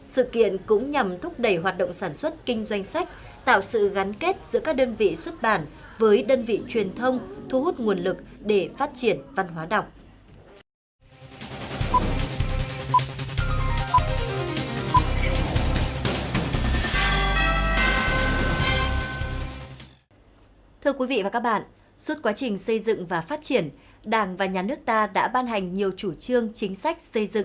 sự kiện cũng nhằm thúc đẩy hoạt động sản xuất kinh doanh sách tạo sự gắn kết giữa các đơn vị xuất bản với đơn vị truyền thông thu hút nguồn lực để phát triển văn hóa đọc